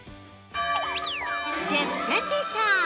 ◆「１０分ティーチャー」